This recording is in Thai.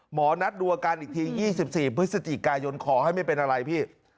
หมอนัดดูอาการอีกที๒๔พฤศจิกายนขอให้ไม่เป็นอะไรพี่